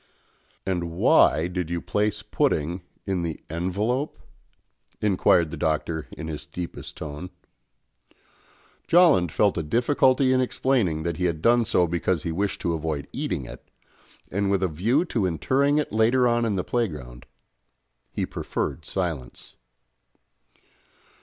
"And why did you place pudding in the envelope?" inquired the Doctor in his deepest tone. Jolland felt a difficulty in explaining that he had done so because he wished to avoid eating it, and with a view to interring it later on in the playground: he preferred silence.